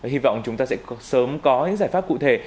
hy vọng chúng ta sẽ sớm có những giải pháp cụ thể